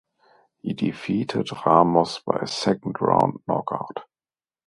He defeated Ramos by a second round knockout.